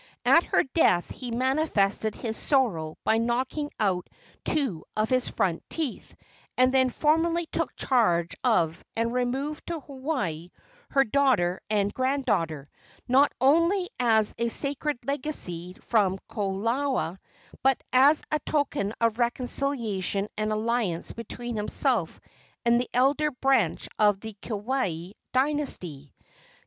At her death he manifested his sorrow by knocking out two of his front teeth, and then formally took charge of and removed to Hawaii her daughter and granddaughter, not only as a sacred legacy from Kalola, but as a token of reconciliation and alliance between himself and the elder branch of the Keawe dynasty.